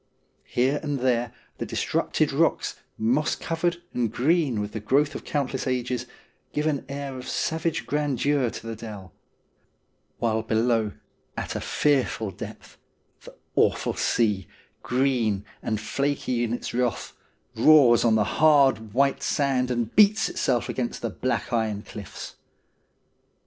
Here and there the disrupted rocks, moss covered and green with the growth of countless ages, give an air of savage grandeur to the dell ; while below, at a 150 STORIES WEIRD AND WONDERFUL fearful depth, the awful sea, green and flaky in its wrath, roars on the hard, white sand, and beats itself against the black iron cliffs.